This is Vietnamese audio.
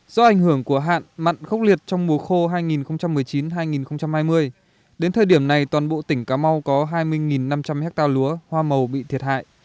do ảnh hưởng của hạn mặn khốc liệt trong mùa khô hai nghìn một mươi chín hai nghìn hai mươi đến thời điểm này toàn bộ tỉnh cà mau có hai mươi năm trăm linh hectare lúa hoa màu bị thiệt hại